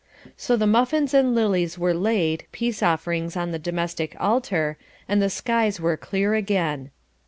So the muffins and lilies were laid, peace offerings on the domestic altar, and the skies were clear again.